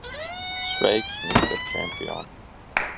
Sveiks, mister čempion!